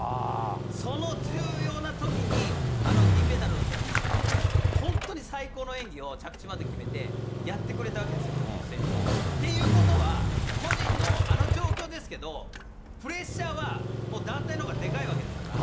その重要なときに、あの銀メダルのときには、本当に最高の演技を着地まで決めて、やってくれたわけですよ、橋本選手は。っていうことは、個人のあの状況ですけど、プレッシャーはもう団体のほうがでかいわけですから。